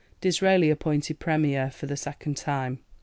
Disraeli appointed Premier for the second time.